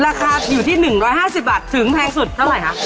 ราคาอยู่ที่๑๕๐บาทถึงแพงสุดเท่าไหร่คะ